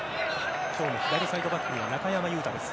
左サイドバックには中山雄太です。